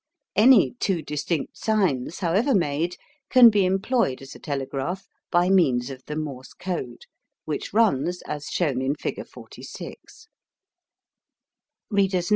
Any two distinct signs, however made, can be employed as a telegraph by means of the Morse code, which runs as shown in figure 46.